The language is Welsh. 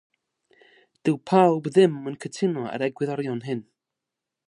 Dydy pawb ddim yn cytuno â'r egwyddorion hyn.